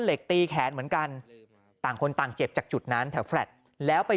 เหล็กตีแขนเหมือนกันต่างคนต่างเจ็บจากจุดนั้นแถวแฟลตแล้วไป